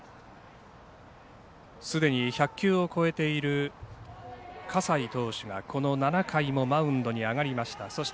すでに１００球を超えている、葛西投手がこの７回もマウンドに上がりました。